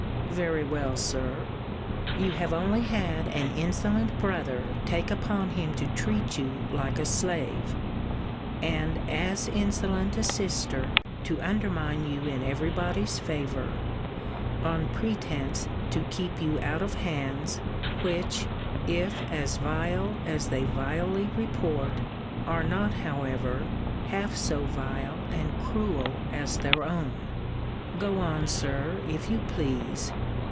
Very well, Sir! You have only had an insolent brother take upon him to treat you like a slave, and as insolent a sister to undermine you in every body's favour, on pretence to keep you out of hands, which, if as vile as they vilely report, are not, however, half so vile and cruel as their own. Go on, Sir, if you please!